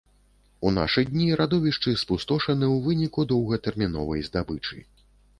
У нашы дні радовішчы спустошаны ў выніку доўгатэрміновай здабычы.